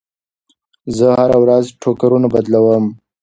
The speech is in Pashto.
زه هره ورځ ټوکرونه بدلوم.